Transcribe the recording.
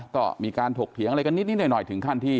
ก็มีการถกเถียงอะไรกันนิดหน่อยถึงขั้นที่